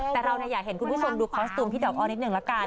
แต่เราอยากเห็นคุณผู้ชมดูคอสตูมพี่ดอกอ้อนิดหนึ่งละกัน